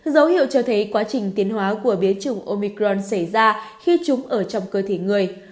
dấu hiệu cho thấy quá trình tiến hóa của biến chủng omicron xảy ra khi chúng ở trong cơ thể người